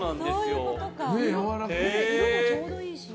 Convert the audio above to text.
色もちょうどいいし。